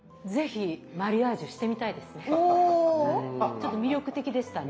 ちょっと魅力的でしたね。